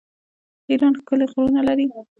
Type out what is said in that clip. ایران ښکلي غرونه لري.